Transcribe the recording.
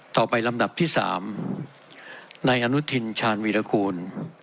ต่อไปลำดับที่๓ในอนุทิณภมชาญวิรกูล